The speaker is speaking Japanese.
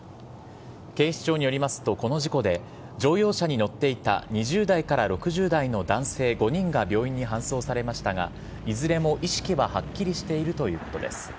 警視庁によりますとこの事故で乗用車に乗っていた２０代から６０代の男性５人が病院に搬送されましたがいずれも意識ははっきりしているということです。